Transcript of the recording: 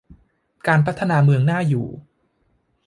การพัฒนาเมืองน่าอยู่